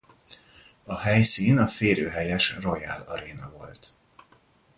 A helyszín a férőhelyes Royal Aréna volt.